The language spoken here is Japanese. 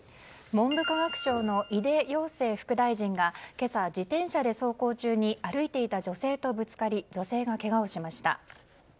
文部科学省の井出庸生副大臣が今朝、自転車で走行中に歩いていた女性とぶつかり女性がけがをしました。